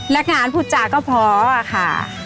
นักงานพูดจาก็พอค่ะ